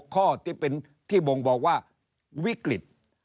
๕๖ข้อที่บงบอกว่าวิกฤต